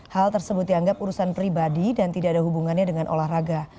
hal tersebut dianggap urusan pribadi dan tidak ada hubungannya dengan olahraga